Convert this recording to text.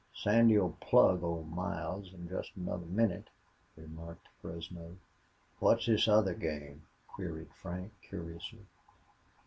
"Sandy'll plug Old Miles in jest another minnit," remarked Fresno. "What's this other game?" queried Frank, curiously.